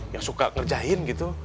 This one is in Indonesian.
yang suka ngerjain gitu